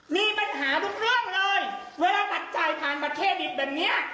มีปัญหาทุกเรื่องเลยเวลาตัดจ่ายผ่านบัตรเครดิตแบบเนี้ย